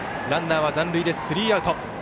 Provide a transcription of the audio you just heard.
ランナーは残塁でスリーアウト。